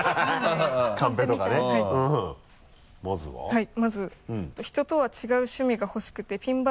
はい。